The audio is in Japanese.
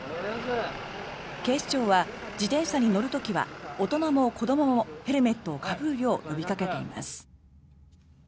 警視庁は、自転車に乗る時は大人も子どももヘルメットをかぶるよう呼びかけています。